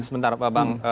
sebentar pak bang